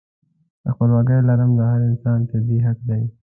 د خپلواکۍ لرل د هر انسان طبیعي حق دی.